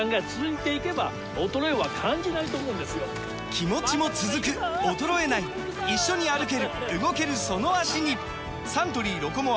気持ちも続く衰えない一緒に歩ける動けるその脚にサントリー「ロコモア」！